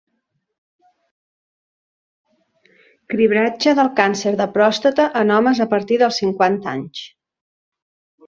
Cribratge del càncer de pròstata en homes a partir dels cinquanta anys.